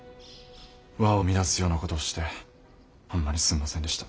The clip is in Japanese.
和を乱すようなことしてほんまにすんませんでした。